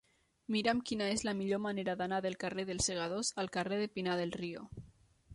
Mira'm quina és la millor manera d'anar del carrer dels Segadors al carrer de Pinar del Río.